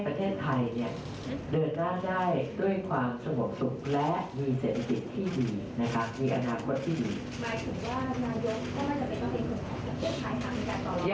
ประเทศไทยเนี่ยเดินหน้าได้ด้วยความสงบสุขและมีเศรษฐกิจที่ดีนะคะมีอนาคตที่ดี